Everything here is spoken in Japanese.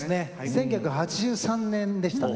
１９８３年でしたね。